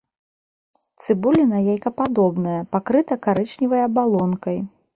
Цыбуліна яйкападобная, пакрыта карычневай абалонкай.